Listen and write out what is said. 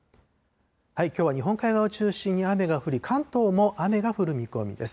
きょうは日本海側を中心に雨が降り、関東も雨が降る見込みです。